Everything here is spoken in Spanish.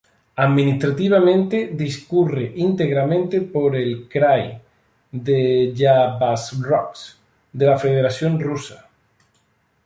Administrativamente, discurre íntegramente por el Krai de Jabárovsk de la Federación de Rusia.